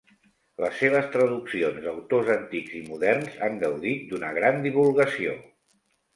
Les seves traduccions d’autors antics i moderns han gaudit d’una gran divulgació.